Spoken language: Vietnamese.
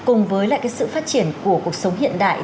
cùng với lại cái sự phát triển của cuộc sống hiện đại